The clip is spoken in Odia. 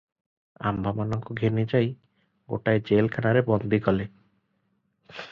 ଆମ୍ଭମାନଙ୍କୁ ଘେନିଯାଇ ଗୋଟାଏ ଜେଲଖାନାରେ ବନ୍ଦୀ କଲେ ।